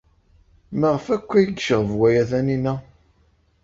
Maɣef akk ay yecɣeb waya Taninna?